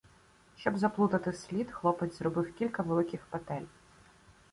Щоб заплутати слід, хлопець зробив кілька великих петель.